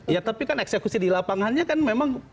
ya tapi kan eksekusi di lapangannya kan memang